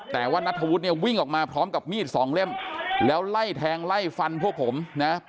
แต่ว่านัทธวุฒิเนี่ยวิ่งออกมาพร้อมกับมีดสองเล่มแล้วไล่แทงไล่ฟันพวกผมนะ